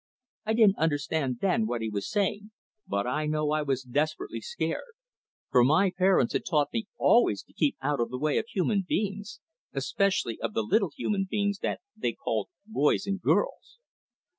I didn't understand then what he was saying, but I know I was desperately scared, for my parents had taught me always to keep out of the way of human beings especially of the little human beings that they called boys and girls.